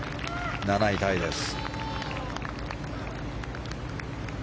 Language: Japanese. ７位タイです。